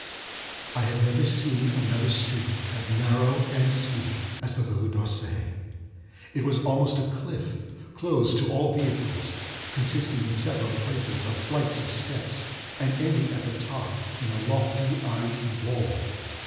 I have never seen another street as narrow and steep as the Rue d'Auseil. It was almost a cliff, closed to all vehicles, consisting in several places of flights of steps, and ending at the top in a lofty ivied wall.